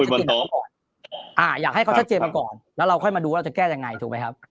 เพราะสุดท้ายก็อยากให้ความชัดเจนกันก่อนแล้วเราค่อยมาดูว่าจะแก้ยังไงถูกไหมครับ